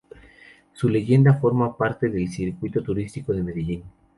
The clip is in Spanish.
Su leyenda forma parte del circuito turístico de Medellín.